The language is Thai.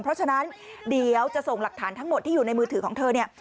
เพราะฉะนั้นเดี๋ยวจะส่งหลักฐานทั้งหมดที่อยู่ในมือถือของเธอเนี่ย